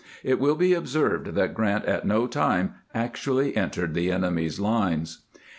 It will be observed that Grant at no time actually entered the enemy's lines.